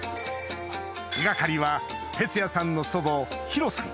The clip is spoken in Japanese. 手掛かりは鉄矢さんの祖母ヒロさん